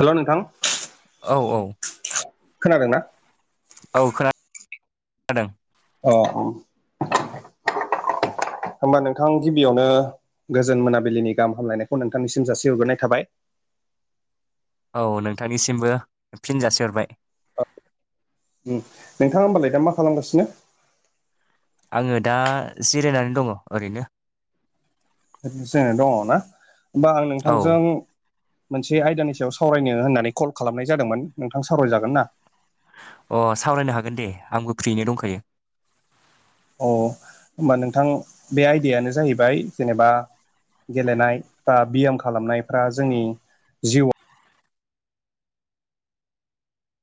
हेल ' नोंथां औ-औ खोनादोंना? औ खोनादों अ अ [unintelligible] होमबा नोंथां गिबियावनो गोजोन मोनाबिलिनि गाहाम हामलायनायखौ नोंथांनिसिम जासि हरग्रोनाय थाबाय। औ नोंथांनिसिमबो फिन जासि हरबाय। नोंथाङा होमबालाय दा मा खालामगासिनो? आङो दा जिरायनानै दङ ओरैनो। जिरायनानै दङना होमबा आं औ नोंथांजों मोनसे आयदानि सायाव सावरायनो होननानै कल खालामनाय जादोंमोन नोंथां सावरायजागोन ना? अह सावरायनो हागोन दे आंबो फ्रियैनो दंखायो। अह होमबा नोंथां बे आयदायानो जाहैबाय जेनेबा गेलेनाय बा बियाम खालामनायफ्रा जोंनि जिउआव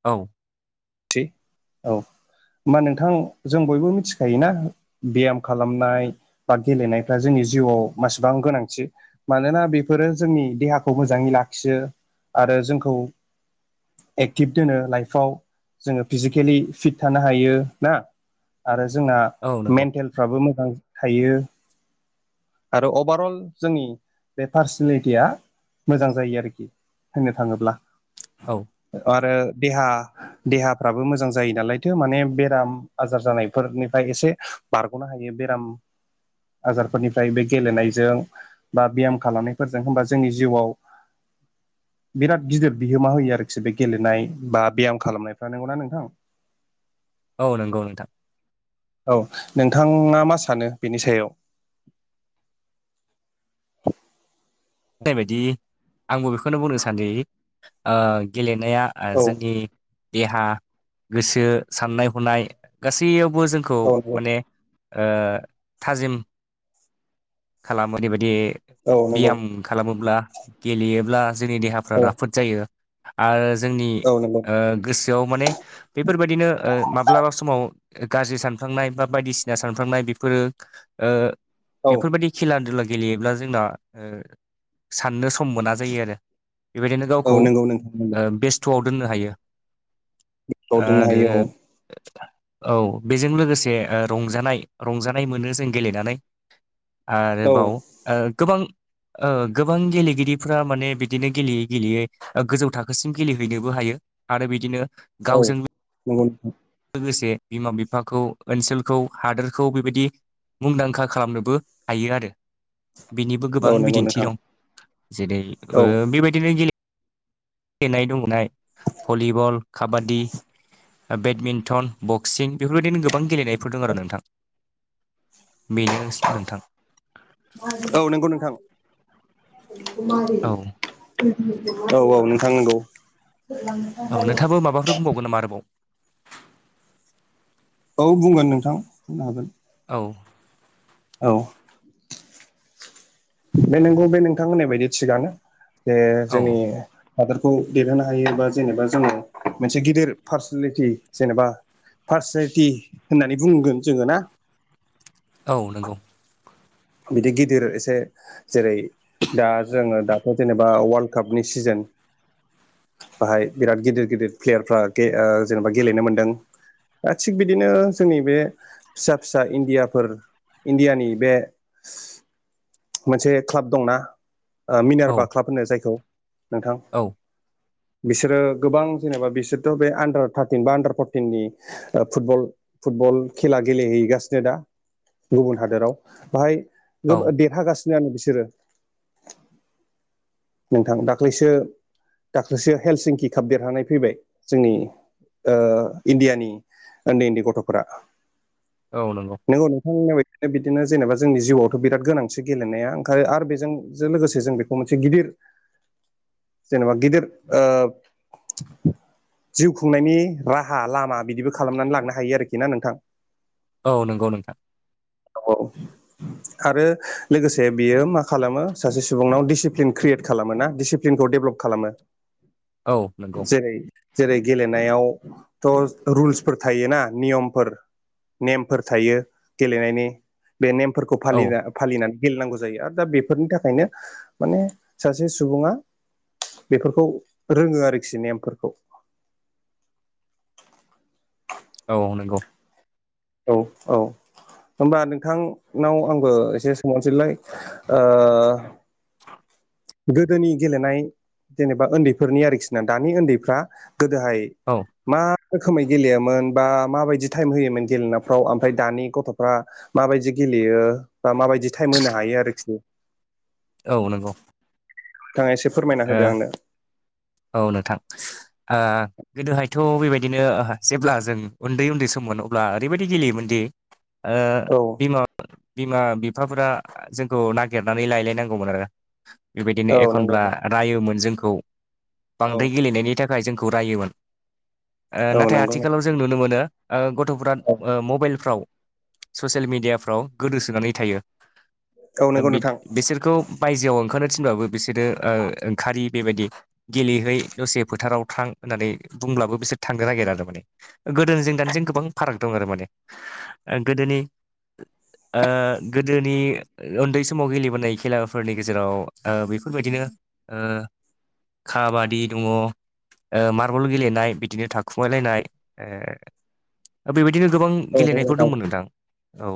औ औ होमबा नोंथां जों बयबो मिथिखायोना बियाम खालामनाय बा गेलेनायफ्रा जोंनि जिउआव मासेबां गोनांथि मानोना बेफोरो जोंनि देहाखौ मोजाङै लाखियो आरो जोंखौ एक्टिभ दोनो लाइफआव जोङो फिजिकेलि फिट थानो हायो ना आरो जोंना औ नंगौ मेन्टेल फ्राबो मोजां थायो। आरो अभारअल जोंनि बे पार्सनेलिटिया मोजां जायो आरोखि होननो थाङोब्ला औ आरो देहा देहाफ्राबो मोजां जायो नालायथो माने बेराम आजार जानायफोरनिफ्राय एसे बारग'नो हायो बेराम आजारफोरनिफ्राय बे गेलेनायजों बा बियाम खालामनायफोरजों होमबा जोंनि जिउआव बिराद गिदिर बिहोमा होयो आरोखि बे गेलेनाय बा बियाम खालामनायफ्रा नंगौना नोंथां? औ नंगौ नोंथां। औ नोंथाङा मा सानो बेनि सायाव? होननायबायदि आंबो बेखौनो बुंनो सानोदि ओ-गेलेनाया औ ओ-जोंनि देहा गोसो साननाय हनाय गासैयावबो जोंखौ औ माने ओ- थाजिम खालामो बेबायदि नंगौ औ नंगौ बियाम खालामोब्ला गेलेयोब्ला जोंनि देहाफ्रा औ राफोद जायो आरो जोंनि औ नंगौ ओ-गोसोआव माने बेफोरबायदिनो ओ-माब्लाबा समाव गाज्रि सानफ्लांनाय बा बायदिसिना सानफ्लांनाय बेफोरो ओ- औ बेफोरबायदि खेला दुला गेलेयोब्ला जोंना ओ- साननो सम मोना जायो आरो बेबायदिनो औ गावखौ नंगौ नोंथां नंगौ ओ- बेस्ट स्टआव दोननो हायो औ दोननो आरो हायो औ बेजों लोगोसे ओ-रंजानाय-रंजानाय मोनो जों गेलेनानै औ आरोबाव ओ-गोबां ओ-गोबां गेलेगिरिफ्रा माने बिदिनो गेलेयै गेलेयै ओ-गोजौ थाखोसिम गेलेहैनोबो हायो आरो बिदिनो औ गावजों नंगौ नोंथां। लोगोसे बिमा-बिफाखौ ओनसोलखौ हादोरखौ बेबायदि मुंदांखा खालामनोबो हायो आरो। बेनिबो गोबां औ नंगौ बिदिन्थि नोंथां दं। जेरै औ ओ बेबायदिनो गेले- गेलेनाय दुंनाय भलिबल, काबादि, बेडमिन्टन बक्सिं बेफोरबायदिनो गोबां गेलेनायफोर दं आरो नोंथां बेनो नोंथां औ नंगौ नोंथां औ [unintelligible] औ औ नोंथां नंगौ। औ नोंथाङाबो माबाफोर बुंबावगोन नामा आरोबाव? औ बुंगोन नोंथां बुंनो हागोन। औ औ बे नंगौ बे नोंथां होननाय बायदि थिगानो जे औ जोंनि हादोरखौ देरहोनो हायो बा जेनेबा जोंङो मोनसे गिदिर पार्सनेलिटि जेनेबा पार्सनेलिटि होननानै बुंगोन जोङो ना। औ नंगौ। बिदि गिदिर एसे जेरै दा जोङो दा जेनेबा वाल्ड कापनि सिजेन बाहाय बिराद गिदिर-गिदिर प्लेयारफ्रा गे ओ जेनेबा गेलेनो मोनदों। दा थिग बिदिनो जोंनि बे फिसा-फिसा इण्डियाफोर इण्डियानि बे मोनसे क्लाब दंना। औ मिनारबा क्लाब होनो जायखौ नोंथां। औ बिसोरो गोबां जेनेबा बिसोरथ' बे आन्दार थार्टिन बा आन्दार फरटिननि फुटबल फुटबल खेला गेलेहैगासिनो दा गुबुन हादोराव। बाहाय गो औ देरहागासिनो आरो बिसोरो नोंथां दाख्लैसो दाख्लैसो हेल्थ सिंकि काप देरहानानै फैबाय जोंनि ओ इण्डियानि उन्दै-उन्दै गथ'फोरा। औ नंगौ। नोंगौ नोंथां होननाय बादिनो बिदिनो जेनेबा जोंनि जिउआवथ' बिराद गोनांथि गेलेनाया ओंखायनो आरो बेजों जों लोगोसे जों बे- मोनसे गिदिर जेनेबा गिदिर ओ जिउ खुंनायनि राहा लामा बिदिबो खालामनानै लांनो हायो आरोखि ना नोंथां। औ नंगौ नोंथां। औ आरो लोगोसे बियो मा खालामो सासे सुबुंनाव डिसिप्लिन क्रियेट खालामोना डिसि- फ्लिनखौ डेभेलप खालामो। औ नंगौ जेरै जेरै गेलेनायावथ' रुलसफोर थायोना नियमफोर नेमफोर। थायो गेलेनायनि बे नेमफोरखौ औ फालिना फालिनानै गेलेनांगौ जायो आरो दा बेफोरनि थाखायनो माने सासे सुबुङा बेफोरखौ रोङो आरोखि नेमफोरखौ। औ नंगौ औ औ होमबा नोंथांनाव आंबो एसे सोंहरसैलाय ओ [inaudible] गोदोनि गेलेनाय जेनेबा उन्दैफोरनि आरोखि ना दानि उन्दैफ्रा गोदोहाय औ मा रोखोमै गेलेयामोन बा माबायदि टाइम होयोमोन गेलेनायफ्राव ओमफ्राय दानि गथ'फ्रा माबायदि गेलेयो बा माबायदि टाइम होनो हायो आरोखि। औ नंगौ नोंथाङा एसे फोरमायना ओ होदो आंनो। औ नोंथां ओ गोदोहायथ' बेबायदिनो जेब्ला जों उन्दै-उन्दै सममोन अब्ला ओरैबायदि गेलेयोमोनदि आ औ [unintelligible] बिमा बिफाफोरा जोंखौ नागिरनानै लायलायनांगौमोन आरो बेबायदिनो औ नंगौ एखनब्ला रायोमोन जोंखौ औ बांद्राय गेलेनायनि थाखाय थाखाय जोंखौ रायोमोन औ नाथाय नंगौ आथिखालाव जों नुनो मोनो गथ'फ औ [unintelligible] मबाइलफ्राव ससियेल मिडियाफ्राव गोदोसोनानै थायो औ नंगौ नोंथां बिसोरखौ बायजोआव ओंखारनो थिनबाबो बिसोरो ओ ओंखारि बेबायदि गेलेहै दसे फोथाराव थां होननानै बुंब्लाबो बिसोर थांनो नागिरो आरो माने गोदोनिजों दानिजों गोबां फाराग दं आरो माने। गोदोनि ओ गोदोनि उन्दै समाव गेलेबोनाय खेलाफोरनि गेजेराव ओ बेफोरबायदिनो ओ काबादि दङ। मार्बल गेलेनाय बिदिनो थाखुमायलायनाय बेबायदिनो गोबां औ नंगौ गेलेनायफोर नोंथां दंमोन नोंदां औ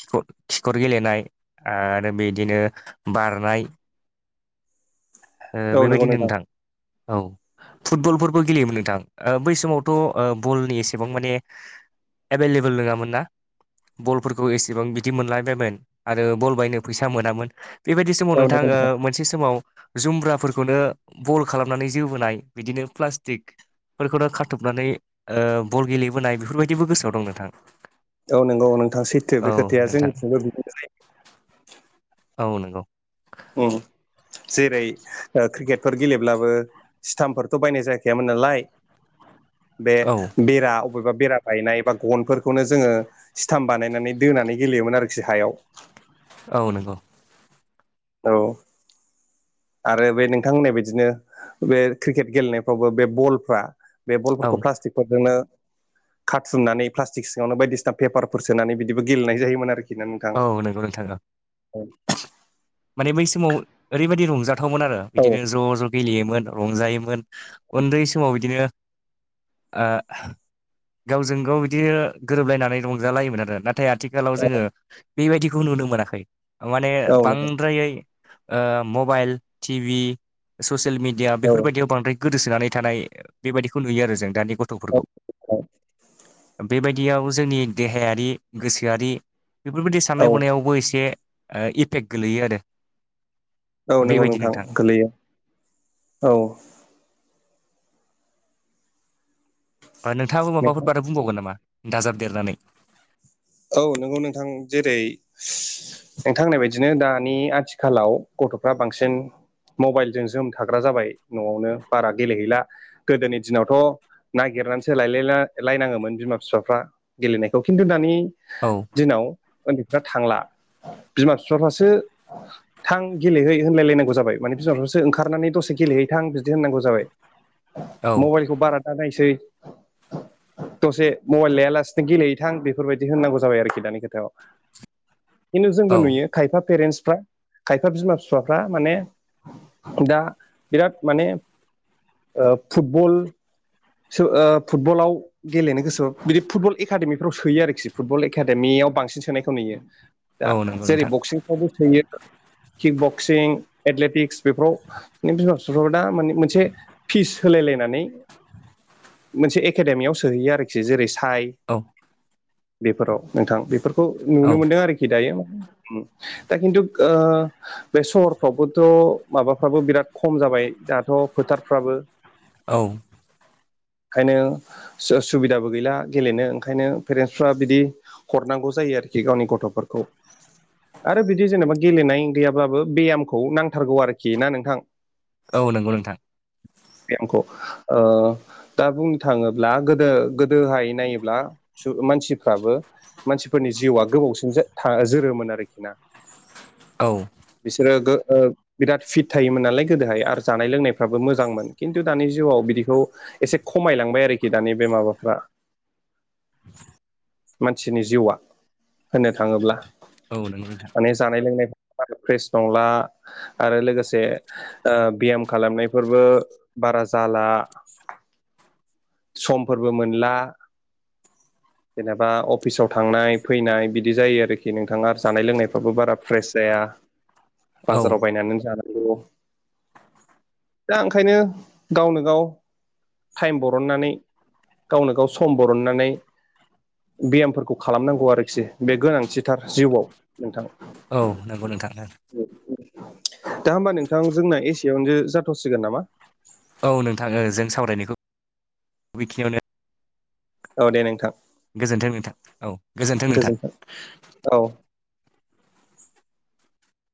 खिखर खिखर गेलेनाय आरो बिदिनो बारनाय औ नंगौ बेबायदिनो नोंथां औ फुटबलबो गेलेयोमोन नोंथां बै समावथ' बलनि एसेबां माने एभेलेबोल नङामोन ना बलफोरखौ एसे [unintelligible] बेबायदि समाव औ नोंथां नंगौ मोनसे समाव जुम्ब्राफोरखौनो बल खालामनानै जोबोनाय [inaudible] फोरफोरखौनो खाारथबनानै बल गेलेबोनाय बेफोरबायदिबो गोसोआव दं नोंथां औ नंगौ औ नोंथाङा सैथो औ बे खोथाया नोंथां जोंनिथिंबो बिदिनोलै औ नंगौ जेरै क्रिकेटफोर गेलेब्लाबो सिथामफोरथ' बायनाय जाखायामोन नालाय बे औ बेरा बबेबा बेरा बायनाय बा गनफोरखौनो जोङो सिथाम बानायनानै दोनानै गेलेयोमोन आरोखि हायाव औ नंगौ औ आरो बे नोंथां होननाय बिदिनो बे क्रिकेट गेलेनायफ्रावबो बे बलफ्रा बे औ बलफोरखौ प्लास्टिक फोरजोंनो खारथुननानै प्लास्टिक सिङावनो बायदिसिना पेपारफोर सोनानै बिदिबो गेलेनाय जायोमोन आरोखि बिनानैखां औ नंगौ नोंथां औ [unintelligible] औ माने बै समाव ओरैबायादि रंजाथावमोन आरो औ बिदिनो ज' ज' गेलेयोमोन रंजायोमोन उन्दै समाव बिदिनो गावजों गाव बिदि गोरोबलायनानै रंजालाय््् नाथाय आथिखालाव जोङो औ नंगौ मबाइल टिभि ससियेल मिडिया औ बेफोरबायदियाव बांद्राय गोदोसोनानै थानाय बेबायदिखौ नुयो आरो जों दानि गथ'फोरखौ बेबायदि [unintelligible] दियाव जोंनि देहायारि गोसोआरि बेफोरबायदि औ साननाय हनायावबो एसे [inaudible] पेक गोलैयो आरो औ नंगौ नोंथां गोलैयो औ नोंथाङाबो माबाफोर बाथा बुंबावगोन नामा दाजाब देरनानै औ नोंगौ नोंथां जेरै नोंथां होनाय बायदिनो दानि आथिखालाव गथ'फ्रा बांसिन मबाइलजों जोम थाग्रा जाबाय न'आवनो बारा गेलेहैला गोदोनि दिनावथ' नागिरनानैसो लायलाय लायनाङोमोन बिमा बिफाफ्रा गेलेनायखौ खिन्थु दानि औ दिनाव उन्दैफ्रा थांला बिमा बिफाफ्रासो थां गेलेहै होनलायलायनांगौ जाबाय माने बिमा बिफाफोरासो ओंखारनानै दसे गेलेहैथां बिदि होननांगौ जाबाय औ मबाइलखौ बारा दा नायसै दसे मबाइल लायालासेनो गेलेहैथां बेफोरबायदि बिदि होननांगौ जाबाय आरोखि दानि खोथायाव खिन्थु जोंबो औ नुयो खायफा पेरेन्टसफ्रा खायफा बिमा फिफाफ्रा माने दा बिराद माने ओ फुटबल ओ फुटबलाव गेलेनो गोसो बिदि फुटबल एकादेमिफ्राव सोयो आरोखि फुटबल एकादेमियाव बांसिन सोनायखौ नुयो दा औ नंगौ जेरै नोंथां बक्सिं बो थोयो किक बक्सिं एथलेटिक्स बेफोराव बिमा फिफाफ्रा दा माने मोनसे फिस होलायलायनानै मोनसे एकाडेमियाव सोहैयो आरोखि जेरै साय औ बेफोराव नोंथां बे फोरखौ औ नुनो मोनदों आरोखि दायो दा खिन्थु ओ बे सहरफ्रावबोथ' माबाफ्राबो बिराद खम जाबाय दाथ' फोथारफ्राबो औ ओंखायनो सुबिदाबो गैला गेलेनो ओंखायनो पेरेन्टसफ्रा बिदि हरनांगौ जायो आरोखि गावनि गथ'फोरखौ आरो बिदि जेनेबा गेलेनाय गैयाब्लाबो बेयामखौ नांथारगौ आरोखि ना नोंथां औ नंगौ नोंथां बेयामखौ ओ दा बुंनो थाङोब्ला गोदो गोदोहाय नायोब्ला मानसिफ्राबो मानसिफोरनि जिउआ गोबावसिन था जोरोमोन आरोखि ना औ बिसोरो गो ओ बिराद फिट थायोमोन नालाय गोदोहाय आरो जानाय लोंनायफ्राबो मोजांमोन खिन्थु दानि जिउआव बिदि बेखौ एसे खमायलांबाय आरोखि दानि बे माबाफ्रा मानसिनि जिउआ होननो थाङोब्ला औ नोंगौ नोंथां माने जानाय लोंनाय फ्रेस नंला आरो लोगोसे ओ ब्याम खालामनायफोरबो बारा जाला समफोरबो मोनला जेनेबा अफिसाव थांनाय फैनाय बिदि जायो आरोखि नोंथाङा जानाय लोंनायफ्राबो बारा फ्रेस जाया औ बाजाराव बायनानै जाना दा ओंखायनो गावनो गाव टाइम ब रननानै गावनो गाव सम बरननानै बेयामफोरखौ खालामनांगौ आरोखि बे गोनांथिथार जिउआव नोंथां औ नंगौ नोंथांनो दा होमबा नोंथां जोंना एसेआवनो जाथ'सिगोन नामा औ नोंथां जों सावरायनायखौ बेखिनियावनो औ दे नोंथां। गोजोन्थों नोंथां। औ गोजोन्थों नोंथां औ